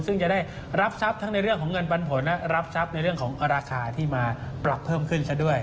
ซึ่งจะได้รับทรัพย์ทั้งในเรื่องของเงินปันผลและรับทรัพย์ในเรื่องของราคาที่มาปรับเพิ่มขึ้นซะด้วย